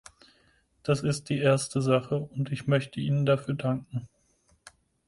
Das ist die erste Sache, und ich möchte Ihnen dafür danken.